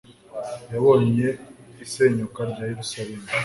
Yabonye isenyuka rya Yerusalemu,